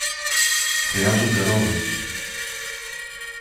Χρειάζονται ρόδες.